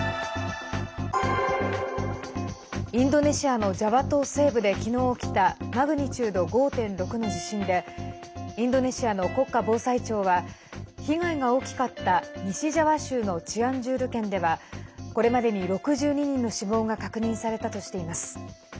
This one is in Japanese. インドネシアのジャワ島西部で昨日起きたマグニチュード５．６の地震でインドネシアの国家防災庁は被害が大きかった西ジャワ州のチアンジュール県ではこれまでに、６２人の死亡が確認されたとしています。